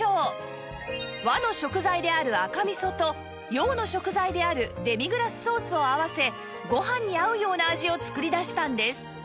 和の食材である赤味噌と洋の食材であるデミグラスソースを合わせご飯に合うような味を作り出したんです